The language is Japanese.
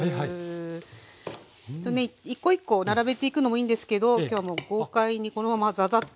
一個一個並べていくのもいいんですけど今日はもう豪快にこのままザザッと。